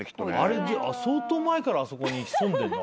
あれ相当前からあそこに潜んでんの？